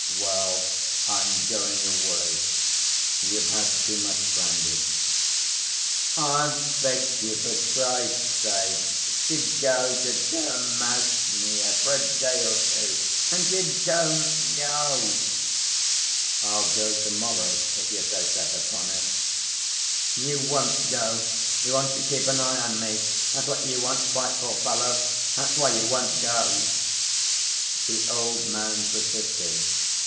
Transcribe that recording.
"Well, I'm going away. You've had too much brandy." "I've begged you for Christ's sake to go to Tchermashnya for a day or two, and you don't go." "I'll go to‐morrow if you're so set upon it." "You won't go. You want to keep an eye on me. That's what you want, spiteful fellow. That's why you won't go." The old man persisted.